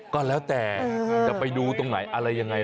ก็แล้วแต่จะไปดูตรงไหนอะไรยังไง